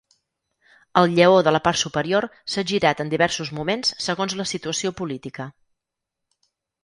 El lleó de la part superior s'ha girat en diversos moments segons la situació política.